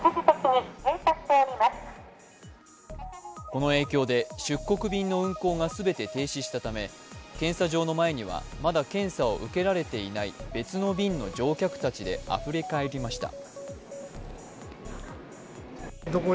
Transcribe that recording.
この影響で出国便の運航が全て停止したため検査場の前には、まだ検査を受けられていない別の便の乗客たちであふれかえりました。